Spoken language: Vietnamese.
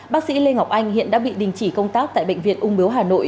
bác sĩ lê ngọc anh hiện đã bị đình chỉ công tác tại bệnh viện ung biếu hà nội